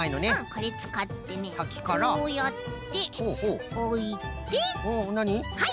これつかってねこうやっておいてはい！